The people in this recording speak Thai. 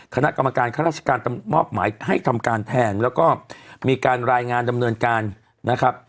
คณะกรรมการข้าราชการมอบหมายให้ทำการแทนแล้วก็มีการรายงานดำเนินการนะครับ